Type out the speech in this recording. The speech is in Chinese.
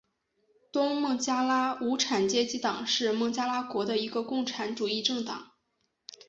东孟加拉无产阶级党是孟加拉国的一个共产主义政党。